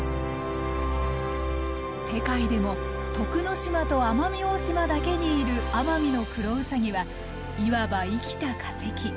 世界でも徳之島と奄美大島だけにいるアマミノクロウサギはいわば、生きた化石。